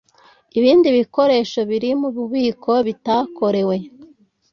ibindi bikoresho biri mu bubiko bitakorewe